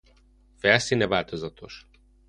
Felszíne változatos.